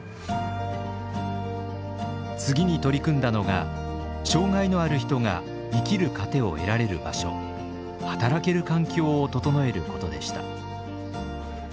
次に取り組んだのが障害のある人が生きる糧を得られる場所働ける環境を整えることでした。